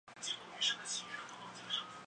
短序鞘花为桑寄生科鞘花属下的一个种。